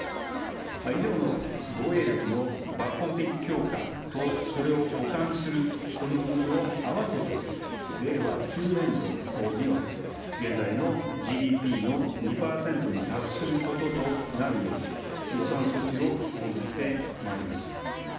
以上の防衛力の抜本的強化とそれを補完する取り組みを合わせて令和９年度には現在のＧＤＰの２％に達することとなるよう予算措置を講じてまいります。